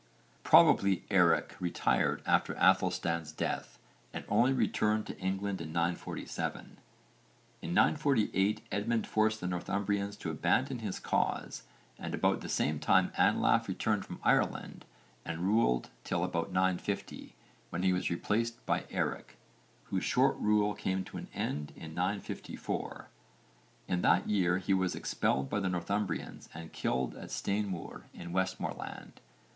Probably Eric retired after Aethelstan's death and only returned to England in 947. In 948 Edmund forced the Northumbrians to abandon his cause and about the same time Anlaf returned from Ireland and ruled till about 950 when he was replaced by Eric, whose short rule came to an end in 954. In that year he was expelled by the Northumbrians and killed at Stainmoor in Westmorland.